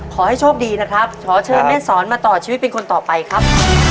ขอให้โชคดีนะครับขอเชิญแม่สอนมาต่อชีวิตเป็นคนต่อไปครับ